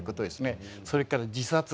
それから自殺。